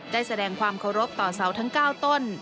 ได้แสดงความเคารพต่อเสาทั้ง๙ต้น